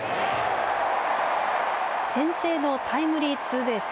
先制のタイムリーツーベース。